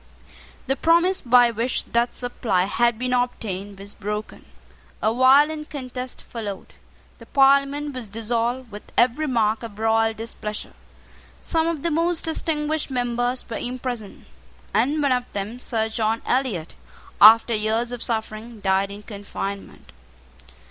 The promise by which that supply had been obtained was broken. A violent contest followed. The Parliament was dissolved with every mark of royal displeasure. Some of the most distinguished members were imprisoned; and one of them, Sir John Eliot, after years of suffering, died in confinement.